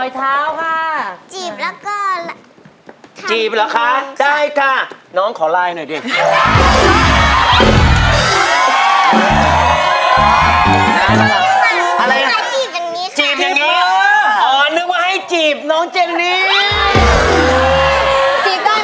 ทำไมไม้ครูมันได้